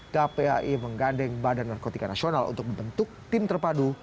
kpai menggandeng badan narkotika nasional untuk membentuk tim terpadu